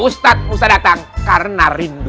ustadz musta datang karena rindu